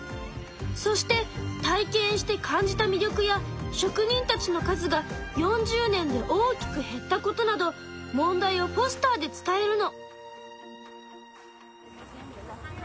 そして体験して感じた魅力や職人たちの数が４０年で大きく減ったことなど問題をポスターで伝えるの。